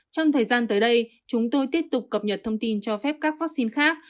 trong thời gian tới đây chúng tôi tiếp tục cập nhật thông tin cho phép các vaccine khác